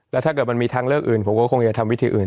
แล้วถ้าเกิดมันมีทางเลือกอื่นผมก็คงจะทำวิธีอื่น